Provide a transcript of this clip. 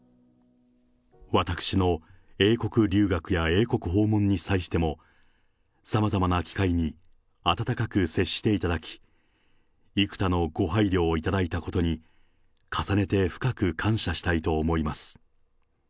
私の英国留学や英国訪問に際しても、さまざまな機会に温かく接していただき、幾多のご配慮を頂いたことに、重ねて深く感謝したいと思います。